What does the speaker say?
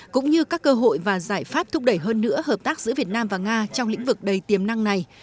cũng như các cơ hội và giải pháp thúc đẩy hơn nữa hợp tác giữa việt nam và nga trong lĩnh vực đầy tiềm năng này